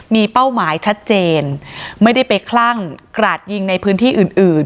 มีเป้าหมายชัดเจนไม่ได้ไปคลั่งกราดยิงในพื้นที่อื่นอื่น